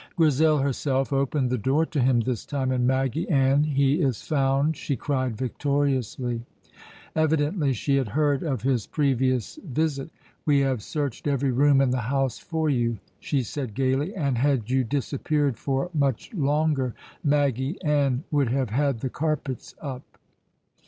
Grizel herself opened the door to him this time, and "Maggy Ann, he is found!" she cried victoriously. Evidently she had heard of his previous visit. "We have searched every room in the house for you," she said gaily, "and had you disappeared for much longer, Maggy Ann would have had the carpets up."